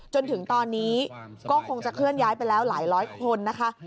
จนถึงตอนนี้ก็คงจะเคลื่อนย้ายไปแล้วหลายร้อยคนนะคะ